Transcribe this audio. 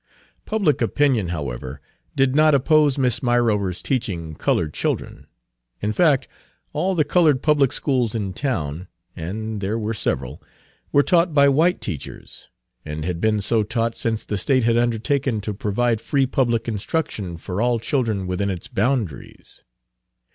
Public opinion, however, did not oppose Miss Myrover's teaching colored children; in fact, all the colored public schools in town and there were several were taught by white teachers, and had been so taught since the State had undertaken to provide free public instruction for all children within its boundaries.